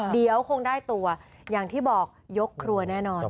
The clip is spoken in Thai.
เดี๋ยวคงได้ตัวอย่างที่บอกยกครัวแน่นอน